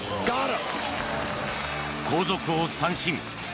後続を三振。